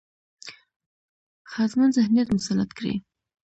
ښځمن ذهنيت مسلط کړي،